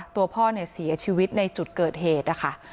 ตัวพ่อเสียชีวิตในจุดเกิดเหตุค่ะ